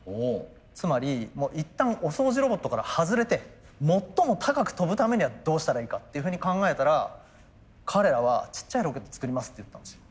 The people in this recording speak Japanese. つまり一旦お掃除ロボットから外れて最も高く飛ぶためにはどうしたらいいかっていうふうに考えたら彼らは「ちっちゃいロケット作ります」って言ったんですよ。